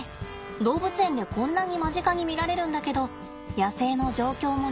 動物園でこんなに間近に見られるんだけど野生の状況もね。